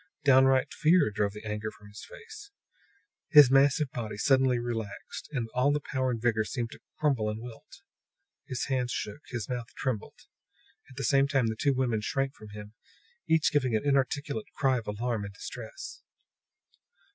Downright fear drove the anger from his face; his massive body suddenly relaxed, and all his power and vigor seemed to crumble and wilt. His hands shook; his mouth trembled. At the same time the two women shrank from him, each giving an inarticulate cry of alarm and distress.